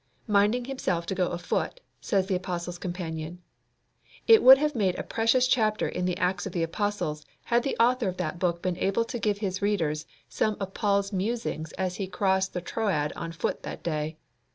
"Minding himself to go afoot," says the apostle's companion. It would have made a precious chapter in the Acts of the Apostles had the author of that book been able to give his readers some of Paul's musings as he crossed the Troad on foot that day.